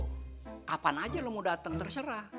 kapan aja lo mau datang terserah